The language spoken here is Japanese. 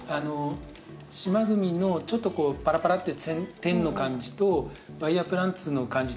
シマグミのちょっとこうパラパラって点の感じとワイヤープランツの感じ